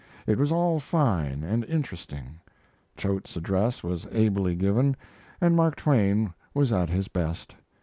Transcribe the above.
It was all fine and interesting. Choate's address was ably given, and Mark Twain was at his best.